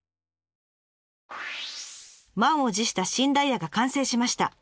満を持した新ダイヤが完成しました。